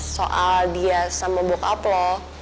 soal dia sama bokap lo